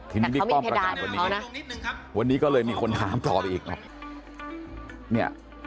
ทีนี้ต้องยิงป้อมประกาศตรงนี้วันนี้ก็เลยมีคนถามต่อไปอีกนะ